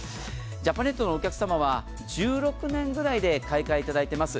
ジャパネットのお客さまは１６年ぐらいで買い替えいただいてます。